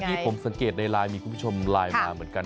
ที่ผมสังเกตในไลน์มีคุณผู้ชมไลน์มาเหมือนกัน